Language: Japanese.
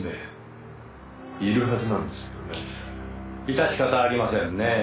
致し方ありませんねぇ。